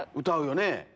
歌うよね！